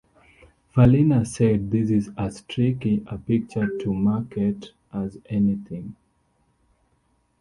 Farliner said This is as tricky a picture to market as anything.